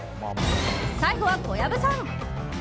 最後は小籔さん。